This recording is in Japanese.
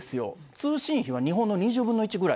通信費は日本の２０分の１ぐらい。